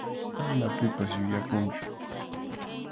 Mana pipas yuyakunchu.